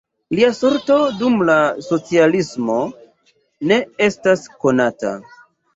Lia sorto dum la socialismo ne estas konata.